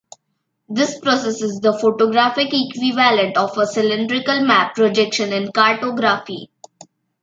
This process is the photographic equivalent of a cylindrical map projection in cartography.